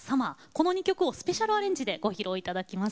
この２曲をスペシャルアレンジでご披露頂きます。